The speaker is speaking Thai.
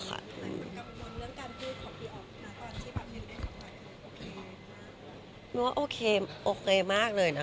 มันกำลังเรื่องการพูดของพี่ออกมาตอนที่แบบนี้ได้ออกมาโอเคหรือเปล่า